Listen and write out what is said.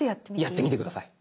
やってみて下さい。